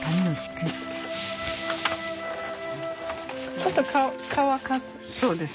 ちょっと乾かす？